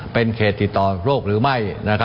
เป็นเขตติดต่อโรคหรือไม่